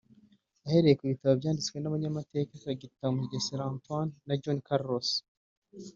Ahereye ku bitabo byanditswe n’abanyamateka Dr Mugesera Antoine na John Carlos